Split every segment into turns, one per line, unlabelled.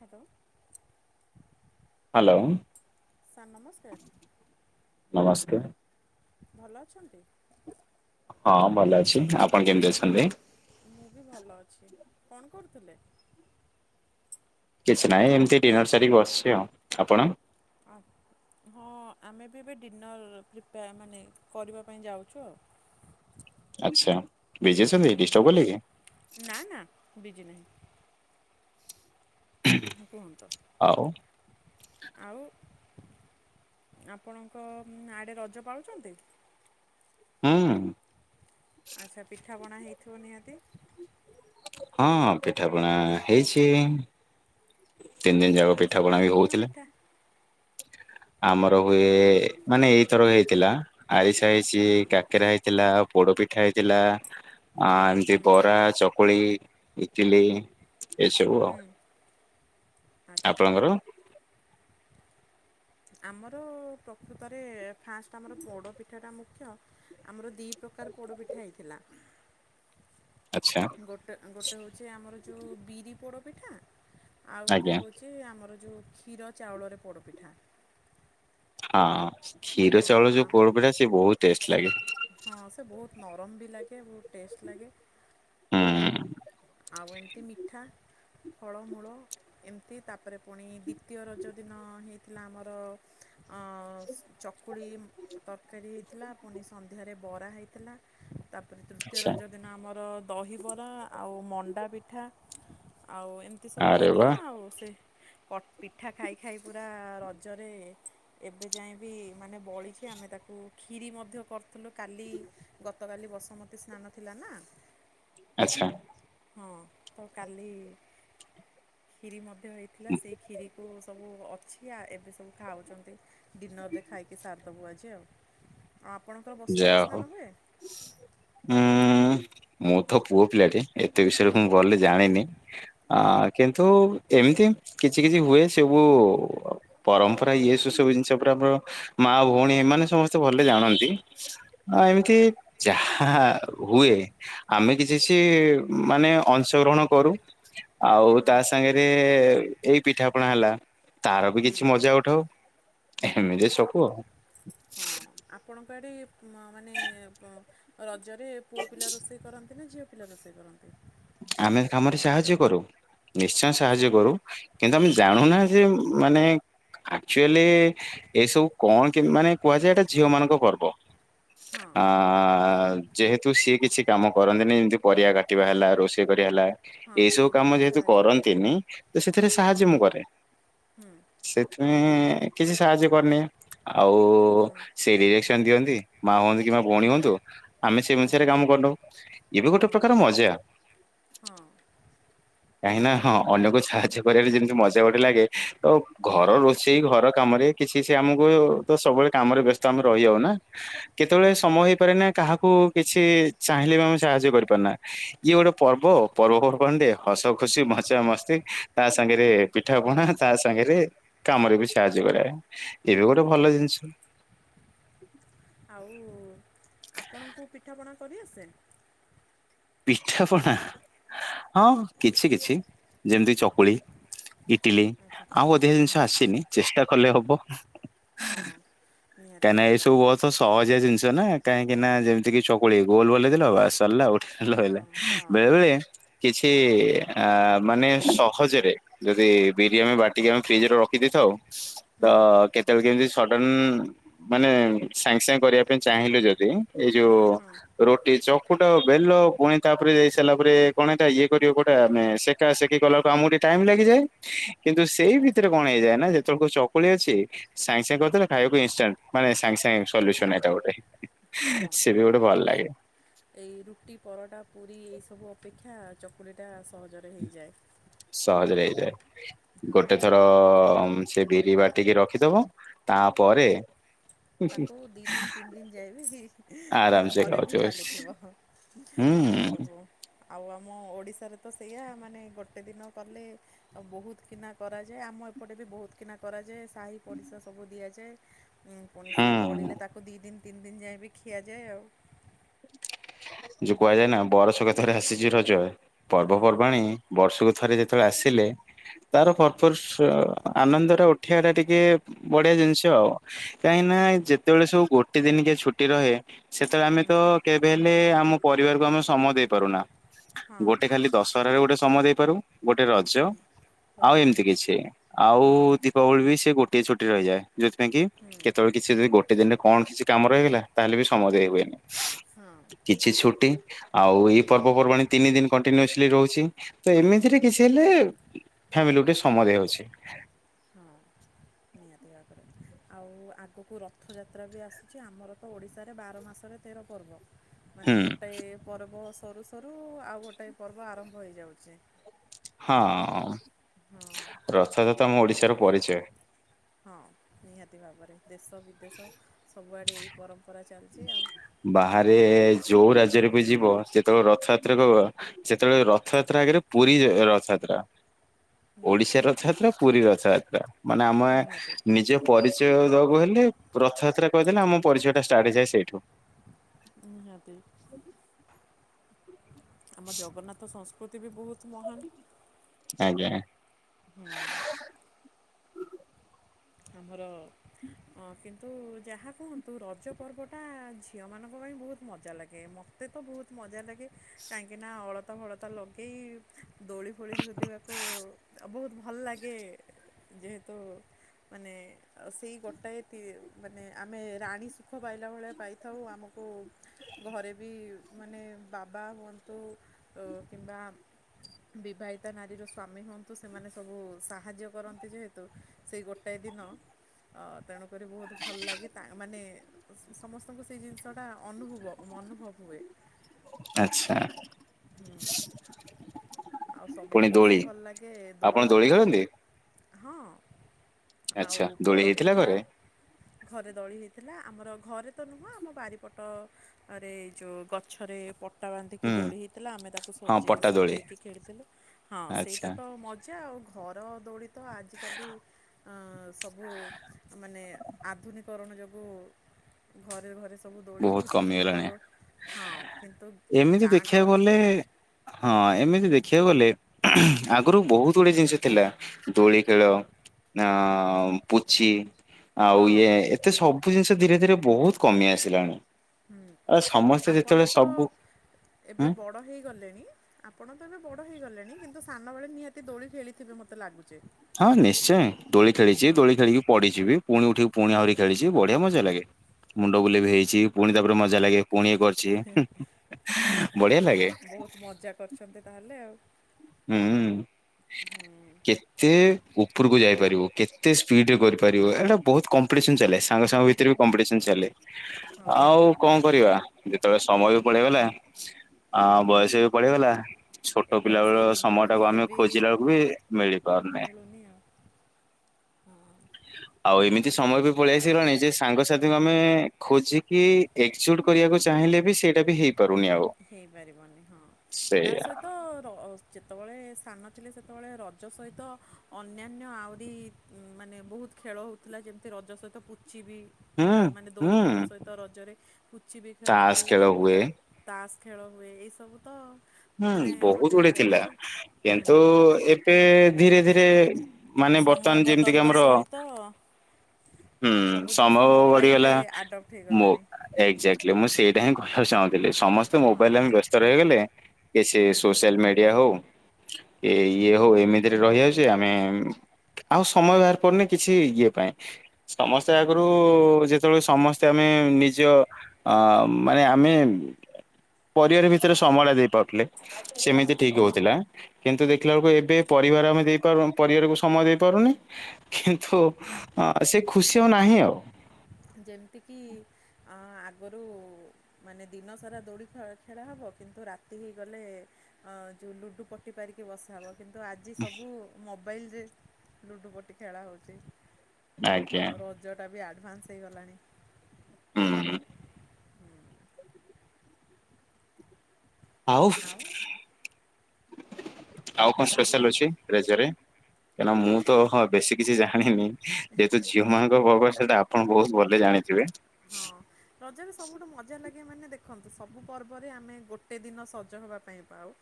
Hello.
Hello.
Sir ନମସ୍କାର।
ନମସ୍କାର।
ଭଲ ଅଛନ୍ତି?
ହଁ ଭଲ ଅଛି ଆପଣ କେମିତି ଅଛନ୍ତି?
ମୁଁ ବି ଭଲ ଅଛି କଣ କରୁଥିଲେ?
କିଛି ନାହିଁ ଏମିତି ଡିନର୍ ସାରିକି ବସିଛି ଆଉ ଆପଣ?
ଆ ହଁ ଆମେ ବି ଏବେ ଡିନର୍ ପ୍ରିପେୟ ମାନେ କରିବା ପାଇଁ ଯାଉଛୁ ଆଉ।
ଆଚ୍ଛା ବିଜି ଅଛନ୍ତି
ହୁଁ
ଡିଷ୍ଟର୍ବ କଲି କି?
ନା ନା ବିଜି ନାହିଁ। ହୁଁ କୁହନ୍ତୁ?
ଆଉ।
ଆଉ ଆପଣଙ୍କ ଆଡ଼େ ରଜ ପାଳୁଛନ୍ତି?
ହୁଁ।
ଆଚ୍ଛା ପିଠାପଣା ହେଇଥିବ ନିହାତି।
ହଁ ପିଠାପଣା ହେଇଛି। ତିନି ଦିନ ଯାକ
ଆଚ୍ଛା
ପିଠାପଣା ବି
କଣ କଣ
ହଉଥିଲା।
ପିଠା
ଆମର ହୁଏ ମାନେ ଏଇଥର ହେଇଥିଲା ଆରିଷା ହେଇଛି
ହଁ
କାକେରା ହେଇ ଥିଲା ପୋଡ଼ପିଠା ହେଇଥିଲା। ଆ ଏମିତି
ହୁଁ
ବରା ଚକୁଳି ଇଟିଲି ଏସବୁ ଆଉ।
ହୁଁ। ଆଚ୍ଛା
ଆପଣଙ୍କର?
ଆମର ପ୍ରକୃତରେ ଫାଷ୍ଟ ଆମର ପୋଡ଼ ପିଠାଟା ମୁଖ୍ୟ। ଆମର ଦିଇ ପ୍ରକାର ପୋଡ଼ପିଠା ହେଇଥିଲା।
ଆଚ୍ଛା।
ଗୋଟେ ଗୋଟେ ହଉଛି ଆମର ଯୋଉ ବିରି ପୋଡ଼ପିଠା ଆଉ ଗୋଟେ
ଆଜ୍ଞା
ହଉ ଯେ ଆମର ଯଉ କ୍ଷୀର ଚାଉଳରେ ପୋଡ଼ପିଠା।
ହଁ କ୍ଷୀର
ହଁ
ଚାଉଳ
ଆ-
ଯୋଉ ପୋଡ଼ ପିଠା ସେ ବହୁତ ଟେଷ୍ଟ ଲାଗେ।
ହଁ ସେ ବହୁତ ନରମ ବି ଲାଗେ ବହୁତ ଟେଷ୍ଟ ଲାଗେ।
ହୁଁ।
ଆଉ ଏମିତି ମିଠା। ଫଳମୂଳ ଏମିତି ତାପରେ ପୁଣି ଦ୍ଵିତୀୟ ରଜ ଦିନ ହେଇଥିଲା ଆମର ଅଁ ଚକୁଳି ତରକାରୀ ହେଇଥିଲା ପୁଣି ସନ୍ଧ୍ୟାରେ ବରା ହେଇଥିଲା। ତାପରେ ତୃତୀୟ
ଆଚ୍ଛା
ରଜ ଦିନ ଆମର ଦହିବରା। ଆଉ ମଣ୍ଡା ପିଠା ଆଉ ଏମିତି ସବୁ
ଆରେ ବା
ହେଇଥିଲା ଆଉ ସେ ପ ପିଠା ଖାଇ ଖାଇ ପୁରା ରଜରେ ଏବେ ଯାଏବି ମାନେ ବଳିଛି ଆମେ ତାକୁ ଖିରି ମଧ୍ୟ କରି ଥିଲୁ କାଲି ଗତକାଲି ବସୁମତୀ ସ୍ନାନ ଥିଲା ନା
ଆଚ୍ଛା।
ହଁ ତ କାଲି କ୍ଷୀରମ ମଧ୍ୟ ହେଇଥିଲା ସେଇ କ୍ଷୀରିକୁ ସବୁ ଅଛି ଆ ଏବେ ସବୁ ଖାଉଛନ୍ତି। ଡିନରରେ ଖାଇକି ସାରିଦବୁ ଆଜି ଆଉ ଆଉ ଆପଣଙ୍କର ବସୁମତୀ ସ୍ନାନ ହୁଏ?
ହୁଁ ମୁଁ ତ ପୁଅ ପିଲାଟେ ଏତେ ବିଷୟରେ ମୁଁ ଭଲରେ ଜାଣିନି। ଅ କିନ୍ତୁ ଏମିତି କିଛି କିଛି ହୁଏ ସବୁ ପରମ୍ପରା ଇଏ ସୁସବୁ ଜିନିଷ ପୁରା ଆମର ମା ଭଉଣୀ ଏମାନେ ସମସ୍ତେ ଭଲରେ ଜାଣନ୍ତି। ଏମିତି ଯାହା ହୁଏ ଆମେ କିଛି କିଛି ମାନେ ଅଂଶଗ୍ରହଣ କରୁ। ଆଉ ତା
ହଁ।
ସାଙ୍ଗରେ ଏଇ ପିଠାପଣା ହେଲା ତାର ବି କିଛି ମଜା ଉଠାଉ ଏମିତି ସବୁ ଆଉ।
ହଁ ଆପଣଙ୍କ ଆଡ଼େ ମାନେ ରଜରେ ପୁଅ ପିଲା ରୋଷେଇ କରନ୍ତି? ନା ଝିଅପିଲା ରୋଷେଇ କରନ୍ତି?
ଆମେ କାମରେ ସାହାଯ୍ୟ କରୁ ନିଶ୍ଚୟ
ଆଶା
ସାହାଯ୍ୟ କରୁ କିନ୍ତୁ ଆମେ
ହୁଁ
ଜାଣୁନା ଯେ ମାନେ ଆକ୍ଚୁଆଲି ଏସବୁ କଣ କେ ମାନେ କୁହାଯାଏ ଏଟା ଝିଅ ମାନଙ୍କ ପର୍ବ।
ହଁ
ଆଁ ଯେହେତୁ ସିଏ କିଛି କାମ କରନ୍ତିନି ଯେମତି ପରିବା କାଟିବା ହେଲା ରୋ ରୋଷେଇ କରିବା ହେଲା
ହଁ
ଏଇସବୁ କାମ
ସେଇଥିପାଇଁ
ଯେହେତୁ
ସାହାଯ୍ୟ କରିବେ।
କରନ୍ତିନି ତ ସେଥିରେ
ହୁଁ
ସାହାଯ୍ୟ ମୁଁ କରେ।
ହୁଁ
ସେଥିପାଇଁ କିଛି ସାହାଯ୍ୟ କରିନିଏ ଆଉ
ହଁ
ସେଇ ଡିରେକ୍ସନ ଦିଅନ୍ତି ମା ହୁଅନ୍ତୁ କିମ୍ବା ଭଉଣୀ ହୁଅନ୍ତୁ। ଆମେ ସେ
ହୁଁ
ଅନୁସାରେ କାମ କରି ନଉ ଇଏବି
ହଁ
ଗୋଟେ ପ୍ରକାର ମଜା।
ହଁ।
କାହିଁକି ନା ହଁ ଅନ୍ୟକୁ ସାହାଯ୍ୟ କରିବାରେ ଯେମିତି ମଜା ଗୋଟେ ଲାଗେ ତ
ହଁ
ଘର ରୋ ସେଇ ଘର କାମରେ କିଛି ସେ ଆମକୁ ତ ସବୁବେଳେ କାମରେ ବ୍ୟସ୍ତ ଆମେ ରହି ଯାଉ ନା କେତେବେଳେ
ହଁ
ସମୟ ହେଇପାରେ ନା କାହାକୁ କିଛି ଚାହିଁଲେ ବି ଆମେ ସାହାଯ୍ୟ କରିପାରେ ନା। ଇଏ ଗୋଟେ ପର୍ବ ପର୍ବପର୍ବାଣିରେ ହସ ଖୁସି ମଜା ମସ୍ତି ତା ସାଙ୍ଗରେ ପିଠା ପଣା ତା ସାଙ୍ଗରେ କାମରେ ବି ସାହାଯ୍ୟ କରିବା ପାଇଁ ଏବେ ଗୋଟେ
ହୁଁ
ଭଲ ଜିନିଷ।
ଆଉ ଆପଣଙ୍କୁ ପିଠାପଣା କରିଆସେ?
ପିଠାପଣା ହଁ କିଛି କିଛି ଯେମିତି ଚକୁଳି ଇଟିଲି ଆଉ ଅଧିକ
ଆଚ୍ଛା
ଜିନିଷ ଆସିନି ଚେଷ୍ଟା କଲେ ହବ।
ହଁ ନିହାତି
କାହିଁକିନା ଏ
ଭାବରେ
ସବୁ ବହୁତ ସହଜିଆ ଜିନିଷ ନା କାହିଁକି ନା ଯେମିତି କି ଚକୁଳି ଗୋଲ ବୁଲେଇଦେଲ ବାସ ସିରିଲା। ଲହିଲା
ହଁ ହଁ
ବେଳେ ବେଳେ କିଛି ଆ ମାନେ ସହଜରେ ଯଦି ବିରି
ହଁ
ଆମେ ବାଟିକି ଆମେ ଫ୍ରିଜ ରେ ରଖିଦେଇଥାଉ
ହୁଁ
ତ କେତେବେଳେ କେମିତି ସଡନ ମାନେ ସାଙ୍ଗେ ସାଙ୍ଗେ କରିବା ପାଇଁ ଚାହିଁଲୁ ଯଦି ଏଇ ଯୋଉ
ହଁ
ରୁଟି ଚପ କୋଟ ବେଲ ପୁଣି ତା ଉପରେ ଦେଇ ସାରିଲା ପରେ ହେଇଟା ଇଏ କରିବ କଉଟା
ହଁ
ଆମେ ସେ ସେକା ସେକି କଲା ବେଳକୁ ଆମକୁ ଟିକେ ଟାଇମ ଲାଗିଯାଏ କିନ୍ତୁ ସେଇ ଭିତରେ କଣ ହେଇଯାଏ ନା ଯେତେବେଳକୁ ଚକୁଳି ଅଛି ସାଙ୍ଗେ ସାଙ୍ଗେ କରିଦେଲ ଖାଇବାକୁ ଇନଷ୍ଟାଣ୍ଟ। ମାନେ ସାଙ୍ଗେ ସାଙ୍ଗେ ସଲ୍ୟୁସନ ଏଇଟା ଗୋଟେ
ହଁ
ସେ ବି ଗୋଟେ ଭଲ ଲାଗେ।
ଏଇ ରୁଟି ପରଟା ପୁରୀ ଏଇସବୁ ଅପେକ୍ଷା ଚକୁଳିଟା ସହଜରେ ହେଇଯାଏ।
ସହଜ ରେ ହେଇଯାଏ।
ହଁ
ଗୋଟେ ଥର ଉଁ ସେ ବିରି ବାଟିକି ରଖିଦବ ତାପରେ
ତାକୁ ଦି ଦିନି ତିନି ଦିନ ଯାଏବି
ଆରାମସେ
ଘରେ
ଖାଉଛ
ବି
ହୁଁ
ଚାଲିଥିବ। ସେଇ ସବୁ। ଆଉ ଆମ ଓଡ଼ିଶାରେ ତ ସେଇୟା ମାନେ ଗୋଟେ ଦିନ କଲେ ଆଉ ବୋହୁତ କିନା କରାଯାଏ ଆମ ଏପଟେ ବି ବୋହୁତ କିନା କରାଯାଏ ସାହି ପଡ଼ିଶା ସବୁ ଦିଆଯାଏ। ଉଁ ପୁଣି ସିଏ
ହୁଁ।
ବଳିଲେ ତାକୁ ଦିଇ ଦିନ ତିନି ଦିନ ଯାଏ ବି ଖିଆଯାଏ ଆଉ।
ଯୋଉ କୁହାଯାଏ ନା ବରସ କେ ଥରେ ଆସିଚି ରଜ
ହଁ
ପର୍ବପର୍ବାଣୀ ବର୍ଷକୁ ଥରେ ଯେତେବେଳେ ଆସିଲେ। ତାର
ହଁ
ଭରପୁର ସ ଆନନ୍ଦ ଟା ଉଠେଇବା ଟା ଟିକେ ବଢିଆ ଜିନିଷ ଆଉ। କାହିଁକି ନା
ହଁ
ଯେତେବେଳେ ସବୁ ଗୋଟେ ଦିନି କିଏ ଛୁଟି ରହେ ସେତେବେଳେ ଆମେ
ହୁଁ
ତ କେ କେବେହେଲେ ଆମ ପରିବାରକୁ ଆମେ ସମୟ ଦେଇ ପାରୁନା
ହଁ
ଗୋଟେ ଖାଲି ଦଶହରାରେ ଗୋଟେ ସମୟ ଦେଇପାରୁ ଗୋଟେ ରଜ
ହୁଁ
ଆଉ
ରଜ
ଏମିତି କିଛି ଆଉ
ହଁ
ଦି ପାବଳୀ ବି ସେ ଗୋଟିଏ ଛୁଟି ରହିଯାଏ ଯୋଉଥିପାଇ କି
ହୁଁ
କେତବେଳେ କିଛି ଯଦି ଗୋଟେ ଦିନରେ କଣ କିଛି କାମ ରହିଗଲା ତାହେଲେ ବି ସମୟ ଦେଇ ହୁଏନି।
ହଁ।
କିଛି ଛୁଟି ଆଉ ଏଇ ପର୍ବପର୍ବାଣି ତିନି ଦିନ କଣ୍ଟିନ୍ୟୁସଲି ରହୁଛି ତ
ହୁଁ
ଏମିତିରେ କିଛି ହେଲେ ଫ୍ୟାମିଲି କୁ ଟିକେ ସମୟ ଦେଇ ହଉଛି।
ହଁ। ନିହାତି ଭାବେରେ। ଆଉ ଆଗୁକୁ ରଥଯାତ୍ରା ବି ଆସୁଛି ଆମର ତ ଓଡ଼ିଶାରେ ବାର ମାସରେ ତେର ପର୍ବ। ମାନେ
ହୁଁ।
ଗୋଟାଏ ପରବ ରରସରୁ ସରୁ ଆଉ ଗୋଟାଏ ପର୍ବ ଆରମ୍ଭ ହେଇଯାଉଛି।
ହଁ
ହଁ
ରଥଯାତ୍ରା ଆମ ଓଡିଶାର ପରିଚୟ।
ହଁ ନିହାତି ଭାବରେ ଦେଶ ବିଦେଶ ସବୁଆଡ଼େ ଏଇ ପରମ୍ପରା ଚାଲଚି ଆଉ।
ବାହାରେ ଯୋଉ ରାଜ୍ୟରେ ବି ଯିବ ଯେତେବେଳେ ରଥଯାତ୍ରା କହିବ ସେତେବେଳେ ରଥଯାତ୍ରା ଆଗେରେ ପୁରୀ ଜା ରଥଯାତ୍ରା।
ନିହାତି
ଓଡିଶା
ଭାବରେ
ରଥଯାତ୍ରା ପୁରୀ ରଥଯାତ୍ରା ମାନେ ଆମେ
ନିହାତି।
ନିଜ ପରିଚୟ ଦବାକୁ ହେଲେ ରଥଯାତ୍ରା କହିଦେଲେ ଆମ ପରିଚୟ ଟା ଷ୍ଟାର୍ଟ ହେଇଯାଏ ସେଇଠୁ।
ନିହାତି। ଆମ ଜଗନ୍ନାଥ ସଂସ୍କୃତି ବି ବହୁତ ମହାନ୍।
ଆଜ୍ଞା।
ହୁଁ। ଆମର ହଁ କିନ୍ତୁ ଯାହା କୁହନ୍ତୁ ରଜ ପର୍ବଟା ଝିଅମାନଙ୍କ ପାଇଁ ବହୁତ ମଜା ଲାଗେ ମୋ ମୋତେ ତ ବହୁତ ମଜା ଲାଗେ କାହିଁକିନା ଅଳତା ମଳତା ଲଗେଇ ଦୋଳି ଫୋଳି ଝୁଲିବାକୁ ଆ ବହୁତ ଭଲ ଲାଗେ ଯେହେତୁ ମାନେ ଅ ସେଇ ଗୋଟାଏ ତି ମାନେ ଆମେ ରାଣୀ ସୁଖ ପାଇଲା ଭଳିଆ ପାଇଥାଉ ଆମ କୁ ଘରେ ବି ମାନେ ବାବା ହୁଅନ୍ତୁ ଅ କିମ୍ବା ବିବାହିତା ନାରୀର ସ୍ୱାମୀ ହୁଅନ୍ତୁ ସେମାନେ ସବୁ ସାହାଯ୍ୟ କରନ୍ତି ଯେହେତୁ ସେଇ ଗୋ ଟାଏ ଦିନ ଅ ତେଣୁ କରି ବହୁତ ଭଲ ଲାଗେ ତା ମାନେ ସମସ୍ତଙ୍କୁ ସେଇ ଜିନିଷଟା ଅନୁଭୁବ ଅନୁଭବ ହୁଏ।
ଆଛା।
ଆଉ ସବୁଠୁ ବେଶୀ ଭଲ ଲାଗେ
ଆପଣ
ଦୋଳି
ଖେଳନ୍ତି
ହଁ। ଆଉ
ଆଚ୍ଛା ଦୋଳି ହେଇଥିଲା
ପୋଡ଼ପିଠା
ଘରେ
ଘରେ ଦୋଳି ହେଇଥିଲା ଆମର ଘରେ ତ ନୁହଁ ଆମ ବାରିପଟରେ ଯେଉ ଗଛରେ ପ ଟା ବାନ୍ଧିକି
ହୁଁ
ଦୋଳି ହେଇଥିଲା ଆମେ ତାକୁ
ହଁ
ସଜେଇ
ପଟା ଦୋଳି
ସଜେଇକି ଖେଳିଥିଲୁ ହଁ
ଆଚ୍ଛା।
ସେଇଟା ତ ମ ଜା ଆଉ ଘର ଦୋଳି ତ ଆଜିକାଲି ଆଁ ସବୁ ମାନେ ଆଧୁନୀକରଣ ଯୋଗୁଁ ଘରେ ଘରେ ସ ସବୁ ଦୋଳି
ବହୁତ
ହେଉଚି କିନ୍ତୁ
କମିଗଲାଣି
ହଁ କିନ୍ତୁ
ଏମିତି
ଗାଁ
ଦେଖିବାକୁ
ଗହଳିରେ
ଗଲେ ହଁ ଏମିତି ଦେଖିବାକୁ ଗଲେ ଆଗୁରୁ ବହୁତ ଗୁଡିଏ ଜିନିଷ ଥିଲା। ଦୋଳି ଖେଳ ଆ ପୁଚି ଆଉ
ହଁ
ଇଏ ଏତେ ସବୁ ଜିନିଷ ଧୀରେ ଧୀରେ ବହୁତ କମି ଆସି ଲାଣି।
ହୁଁ ଆପଣ ତ ଏବେ
ହୁଁ
ବଡ଼ ହେଇଗଲେଣି। ଆପଣ ତ ଏବେ ବଡ ହେଇଗଲେଣି କିନ୍ତୁ ସାନବେଳେ ନିହାତି ଦୋଳି ଖେଳିଥିବେ ମୋତେ ଲାଗୁଚି।
ହଁ ନିଶ୍ଚୟ ଦୋଳି ଖେଳିଛି ଦୋଳି ଖେଳିକି ପଡିଛିିବି। ପୁଣି ଉଠିକି ପୁଣି ଆହୁରି ଖେଳିଛି ବଢିଆ ମଜା ଲାଗେ ମୁଣ୍ଡ ବୁଲେଇ ବି ଦେଇଛି ପୁଣି ତାପରେ ମଜା ଲାଗେ ପୁଣି କରି
ଆଚ୍ଛା
ଲାଗେ
ବହୁତ ମଜା କରିଛନ୍ତି ତାହେଲେ ଆଉ।
ହୁଁ।
ହୁଁ।
କେତେ ଉପରକୁ ଯାଇପାରିବୁ କେତେ ସ୍ପିଡ ରେ କରିପାରିବ ଏଇଟା ବହୁତ କମ୍ପିଟିସନ ଚାଲେ ସାଙ୍ଗସାଙ୍ଗ ଭିତରେ କମ୍ପିଟିସନ ଚାଲେ
ହଁ
ଆଉ କଣ କରିବା ଯେତେବେଳେ ସମୟ ବି ପଳେଇଗଲା
ହଁ
ଆଉ ବୟସ ବି ପଳେଇଗଲା, ଛୋଟ
ଏବେ ଆଉ
ପିଲାବେଳ
ସେଇ ଦିନ
ସମୟଟାକୁ
ଖୋଜିଲେ
ଆମେ ଖୋଜିଲାକୁ ବି ମିଳିପାରୁନି।
ବନି ଆଉ ହଁ ହଁ।
ଆଉ ଏମିତି ସମୟ ବି ପଳେଇ ଆସିଲାଣି ଯେ ସାଙ୍ଗସାଥିଙ୍କୁ ଆମେ ଖୋଜିକି ଏକଜୁଟ କରିବାକୁ ଚାହିଁଲେ ବି ସେଇଟା ବି ହେଇ
ହେଇପାରିବନି ହଁ ତା
ସେଇଆ
ସହିତ ଯେତେବେଳେ ସାନ ଥିଲେ ସେତେବେଳେ ରଜ ସହିତ ଅନ୍ୟାନ୍ୟ ଆହୁରି ମାନେ ବହୁତ ଖେଳ ହଉଥିଲା ଯେମିତି ରଜ ସହିତ ପୋଚିବି।
ହୁଁ
ଖେଳ ମାନେ ଦୋଳି
ହୁଁ
ଖେଳ ସହିତ ରଜରେ ପୁଚି ବି
ତାସ
ଖେଳନ୍ତି।
ଖେଳ ହୁଏ।
ତାସ ଖେଳ ହୁଏ ଏଇସବୁ ତ। ମାନେ
ହୁଁ ବହୁତ
ଗୋଟେ
ଗୁଡେ ଥିଲା
ପରିଚୟ ହୁଁ
କିନ୍ତୁ ଏବେ ଧୀରେ ଧୀରେ ମାନେ
ସମୟ
ବର୍ତ୍ତମାନ ଯେମିତିକି
ବଦଳିବା
ଆମର
ସହିତ
ହୁଁ
ସବୁ ଜିନିଷ
ସମ୍ଭବ
ମୋବାଇଲରେ
ବଢିଗଲା
ଆଡ଼ପ୍ଟ
ମୋ
ହେଇଗଲାଣି।
ଏକ୍ଜାକ୍ଟଲି ମୁଁ ସେଇଟା ହିଁ କହିବାକୁ ଚାହୁଁଥିଲି ସମସ୍ତେ
ହୁଁ
ମୋବାଇଲେ ଆମେ ବ୍ୟସ୍ତ ରହିଗଲେ। କିସେ ସୋସିଆଲ ମିଡିଆ ହଉ। ଏ ଇଏ ହଉ ଏମିତିରେ ରହିଆଉଛେ ଆମେ ଆଉ ସମୟ ବାହାର ପଡନି କିଛି ଇଏ ପାଇଁ। ସମସ୍ତେ ଆଗରୁ ଯେତେବେଳେ ସମସ୍ତେ ଆମେ ନିଜ ଅ ମାନେ ଆମେ ପରିବାର ଭିତରେ ସମୟ ଟା ଦେଇପାରୁ ସେମିତି
ହଁ
ଠିକ ହଉଥିଲା। କିନ୍ତୁ ଦେଖିଲା ବେଳକୁ ଏବେ ପରିବାର ଆମେ ଦେଇପାରୁ ପରିବାରକୁ ସମୟ ଦେଇପାରୁନେ। କିନ୍ତୁ ସେ ଖୁସି ଆଉ ନାହିଁ ଆଉ।
ଯେମିତିକି ଆଗରୁ ମାନେ ଦିନ ସାରା ଦୋଳି ଖେ ଖେଳା ହେବ କିନ୍ତୁ ରାତି ହେଇଗଲେ ଅ ଯୋଉ ଲୁଡୁ ପଟି ପାରିକି ବସା ହବ। କିନ୍ତୁ ଆଜି ସବୁ ମୋବାଇଲରେ ଲୁଡ଼ୁ ପଟି ଖେଳା ହଉଛି।
ଆଜ୍ଞା
ଆଉ ରଜ ଟା ବି ଆଡଭାନ୍ସ ହେଇଗଲାଣି।
ହୁଁ ହୁଁ। ଆଉ ଆଉ କଣ
ତାହେଲେ
ସ୍ପେଶାଲ ଅଛି ରଜରେ? କାହିଁନା ମୁଁ ତ ହ ବେଶୀ କିଛି ଜାଣିନି ଯେହେତୁ ଝିଅ ମାଙ୍କ ପର୍ବ ସେଟା ଆପଣ ବହୁତ ଭଲେ ଜାଣିଥିବେ।
ହଁ ରଜରେ ସବୁଠୁ ମଜା ଲାଗେ ମାନେ ଦେଖନ୍ତୁ ସବୁ ପର୍ବରେ ଆମେ ଗୋଟେ ଦିନ ସଜ ହେବା ପାଇଁ ପାଉ।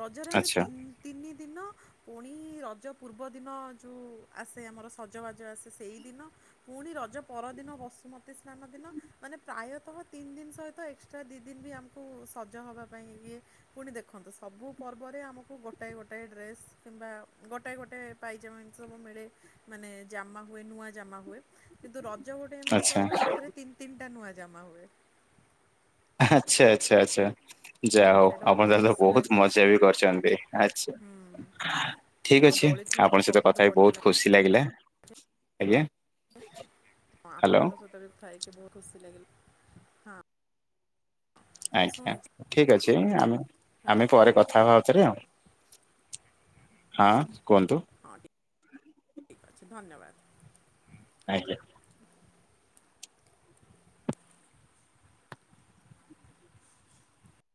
ରଜରେ ଆମେ
ଆଚ୍ଛା
ତିନି ତିନି ଦିନ ପୁଣି ରଜ ପୂର୍ବଦିନ ଯୋଉ ଆସେ ଆମର ସଜବାଜ ଆସେ ସେଇଦିନ ପୁଣି ରଜ ପରଦିନ ବସୁମତୀ ସ୍ନାନ ଦିନ ମାନେ ପ୍ରାୟତଃ ତିନି ଦିନ ସହିତ ଏକ୍ସଟ୍ରା ଦି ଦିନ ବି ଆମକୁ ସଜ ହେବା ପାଇଁ ଇଏ ପୁଣି ଦେଖନ୍ତୁ ସବୁ ପର୍ବରେ ଆମକୁ ଗୋଟାଏ ଗୋଟାଏ ଡ୍ରେସ୍ କିମ୍ବା ଗୋଟାଏ ଗୋଟଏ ପାଇଜାମା ଏମିତି ସବୁ ମିଳେ ମାନେ ଜାମା ହୁଏ, ନୂଆ ଜାମା ହୁଏ କିନ୍ତୁ ରଜ ଗୋଟେ ତି
ଆଚ୍ଛା
ପର୍ବ ଯଉଥିରେ ତିି ତିନିଟା ନୂଆ ଜାମା ହୁଏ।
ଆଚ୍ଛା ଆଚ୍ଛା ଆଚ୍ଛା।
ହୁଁ
ଯାହା ହଉ
ସେଇଟା
ଆପଣ
ବହୁତ
ତାଲେ
ଖୁସି
ବହୁତ
ଲାଗେ
ମଜା ବି କରିଛନ୍ତି, ଆଛା। ଠିକ୍
ଆଉ
ଅଛି
ଦୋଳି ଖେଳ ତ
ଆପଣଙ୍କ ସହିତ
ସବୁଠୁ
କଥା ହେଇ
ବଢ଼ିଆ
ବହୁତ
ଲାଗେ।
ଖୁସି ଲାଗିଲା। ଆଜ୍ଞା?
ହଁ
ହ୍ୟାଲୋ
ଆପଣଙ୍କ ସହିତ ବି କଥା ହେଇକି ବହୁତ ଖୁସି ଲାଗିଲା। ହଁ
ଆଜ୍ଞା,
ଶୁଣୁଛି
ଠିକ ଅଛି, ଆମେ
ହ୍ୟାଲୋ
ଆମେ ପରେ କଥା ହବା ଆଉ ଥରେ ଆଉ। ହଁ କୁହନ୍ତୁ।
ହଁ ଠିକ୍ ଅଛି ଧନ୍ୟବାଦ।
ଆଜ୍ଞା।